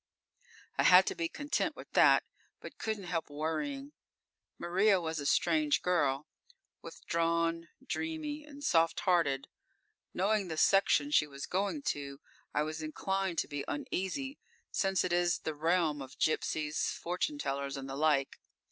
I had to be content with that, but couldn't help worrying. Maria was a strange girl withdrawn, dreamy and soft hearted. Knowing the section she was going to, I was inclined to be uneasy, since it is the realm of gypsies, fortune tellers and the like.